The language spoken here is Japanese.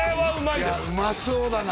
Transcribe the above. いやうまそうだな